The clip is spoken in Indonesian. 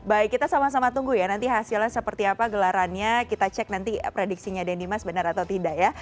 baik kita sama sama tunggu ya nanti hasilnya seperti apa gelarannya kita cek nanti prediksinya dan dimas benar atau tidak ya